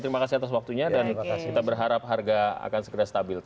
terima kasih atas waktunya dan kita berharap harga akan segera stabil